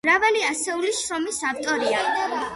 მრავალი ასეული შრომის ავტორია.